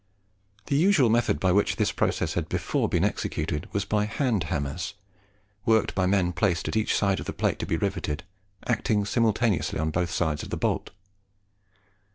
The usual method by which this process had before been executed was by hand hammers, worked by men placed at each side of the plate to be riveted, acting simultaneously on both sides of the bolt.